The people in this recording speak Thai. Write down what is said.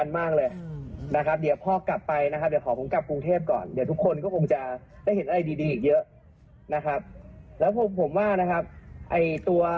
ไม่แก้ออกมาพูดว่าไม่จริงอะไรยังไง